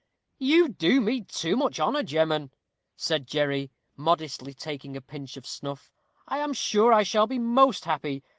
"You do me too much honor, gemmen," said Jerry, modestly, taking a pinch of snuff; "I am sure I shall be most happy.